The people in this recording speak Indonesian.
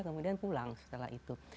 kemudian pulang setelah itu